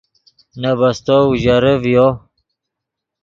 نے بستو اوژرے ڤیو